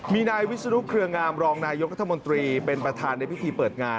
มีนายวิศนุเครืองามรองนายกรัฐมนตรีเป็นประธานในพิธีเปิดงาน